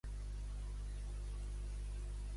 Jeannine Abella i Chica és una política nascuda a Isona.